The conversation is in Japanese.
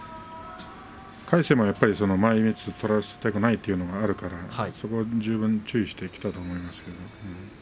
魁聖も前みつを取らせたくないということがありますからそこに十分注意してきたと思います。